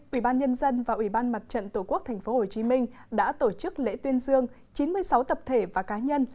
ủy ban nhân dân và ủy ban mặt trận tổ quốc tp hcm đã tổ chức lễ tuyên dương chín mươi sáu tập thể và cá nhân